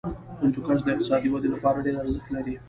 هندوکش د اقتصادي ودې لپاره ارزښت لري.